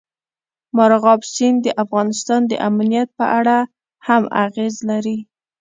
مورغاب سیند د افغانستان د امنیت په اړه هم اغېز لري.